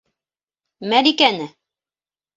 Мәликәне.